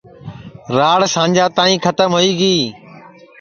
راڑ سانجا تائی کھتم ہوئی گی